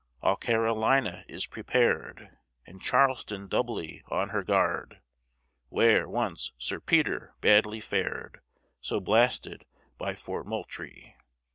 All Carolina is prepared, And Charleston doubly on her guard; Where, once, Sir Peter badly fared, So blasted by Fort Moultrie.